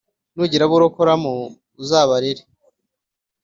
nugira abo urokoramo uzabarere